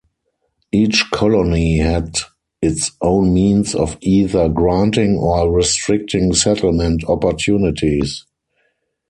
Each colony had its own means of either granting or restricting settlement opportunities.